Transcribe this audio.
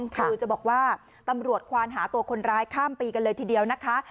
คือจะบอกว่าตำรวจควานหาตัวคนร้ายข้ามปีกันเลยทีเดียวนะคะ